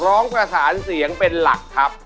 ร้องประสานเสียงเป็นหลักครับ